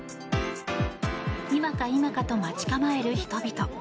今か今かと待ち構える人々。